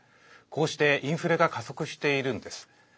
こうしてインフレが加速しているんです。